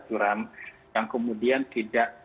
curam yang kemudian tidak